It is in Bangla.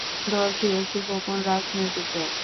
দলটি একটি গোপন রাজনৈতিক দল।